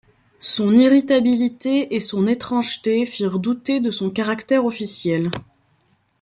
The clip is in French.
Son irritabilité et son étrangeté firent douter de son caractère officiel.